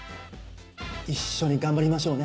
一緒に頑張りましょうね